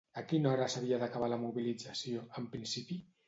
A quina hora s'havia d'acabar la mobilització, en principi?